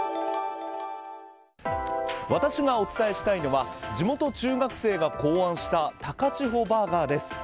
私がお伝えしたいのは地元中学生が考案した高千穂バーガーです。